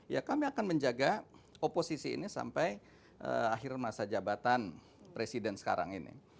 ya kami akan menjaga oposisi ini sampai akhir masa jabatan presiden sekarang ini